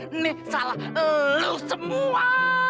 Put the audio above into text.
ini salah lo semua